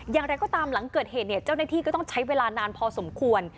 อย่างไรก็ตามหลังเกิดเหตุเนี่ยเจ้าหน้าที่ก็ต้องใช้เวลานานพอสมควร